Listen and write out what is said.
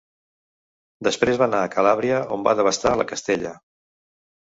Després va anar a Calàbria, on va devastar La Castella.